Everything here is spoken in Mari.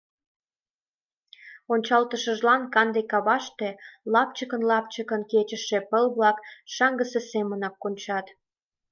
Ончалтышыжлан канде каваште лапчыкын-лапчыкын кечыше пыл-влак шаҥгысе семынак кончат.